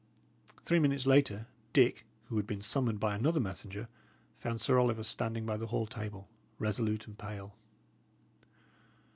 Three minutes later, Dick, who had been summoned by another messenger, found Sir Oliver standing by the hall table, resolute and pale.